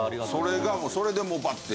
それがそれでもうバッて。